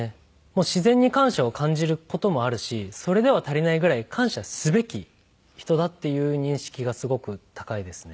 自然に感謝を感じる事もあるしそれでは足りないぐらい感謝すべき人だっていう認識がすごく高いですね。